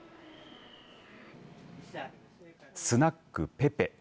スナックペペ。